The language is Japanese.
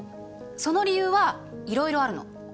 その理由はいろいろあるの。